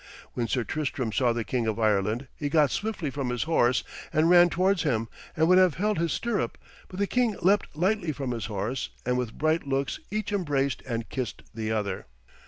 When Sir Tristram saw the King of Ireland he got swiftly from his horse and ran towards him, and would have held his stirrup; but the king leapt lightly from his horse, and with bright looks each embraced and kissed the other.